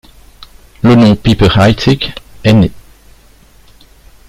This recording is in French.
Le nom Piper-Heidsieck est né.